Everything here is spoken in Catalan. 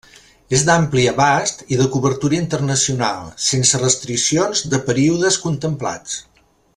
És d’ampli abast i de cobertura internacional, sense restriccions de períodes contemplats.